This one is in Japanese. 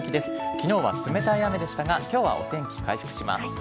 きのうは冷たい雨でしたが、きょうはお天気回復します。